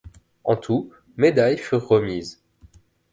En tout, médailles furent remises.